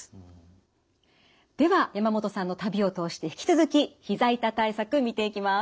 では山本さんの旅を通して引き続きひざ痛対策見ていきます。